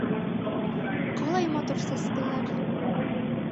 — Ҡалай матур сәскәләр...